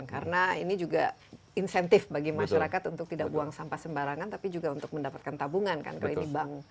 karena ini juga insentif bagi masyarakat untuk tidak buang sampah sembarangan tapi juga untuk mendapatkan tabungan kan kalau ini bank